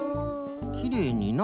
きれいにな。